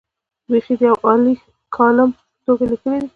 بېخي د یوه عالي کالم په توګه لیکلي دي.